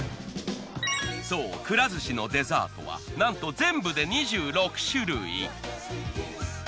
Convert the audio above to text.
そうくら寿司のデザートはなんと全部で２６種類。